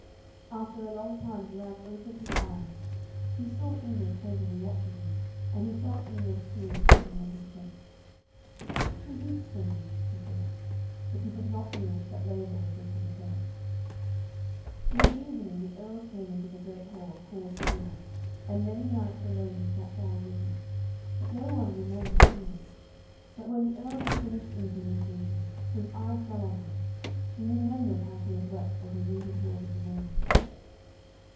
After a long time Geraint opened his eyes. He saw Enid tenderly watching him, and he felt Enid's tears dropping on his face. 'She weeps for me,' he thought; but he did not move, but lay there as if he were dead. In the evening the Earl came into the great hall and called for dinner, and many knights and ladies sat down with him, but no one remembered Enid. But when the Earl had finished eating and drinking, his eye fell on her. He remembered how she had wept for her wounded lord in the morning.